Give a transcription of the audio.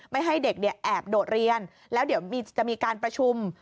ให้เด็กเนี่ยแอบโดดเรียนแล้วเดี๋ยวจะมีการประชุม